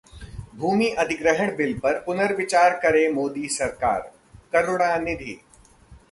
भूमि अधिग्रहण बिल पर पुनर्विचार करे मोदी सरकार: करुणानिधि